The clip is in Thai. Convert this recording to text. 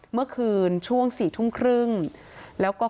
เมื่อคืนช่วง๔ทุ่มครึ่งแล้วก็